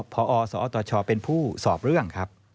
พอสอตชเป็นผู้สอบเรื่องครับ